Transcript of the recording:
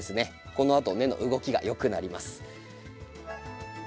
このあと根の動きが良くなります。